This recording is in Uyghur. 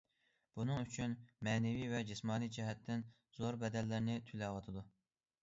بۇنىڭ ئۈچۈن مەنىۋى ۋە جىسمانىي جەھەتتىن زور بەدەللەرنى تۆلەۋاتىدۇ.